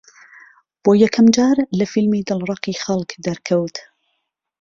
بۆ یەکەم جار لە فیلمی «دڵڕەقی خەڵک» دەرکەوت